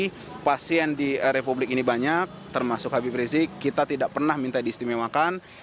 jadi pasien di republik ini banyak termasuk habib rizik kita tidak pernah minta diistimewakan